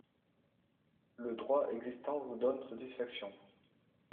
Le droit existant vous donne satisfaction.